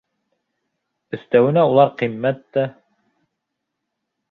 Өҫтәүенә, улар ҡиммәт тә.